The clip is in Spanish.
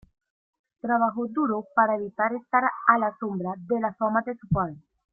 Trabajó duro para evitar estar a la sombra de la fama de su padre.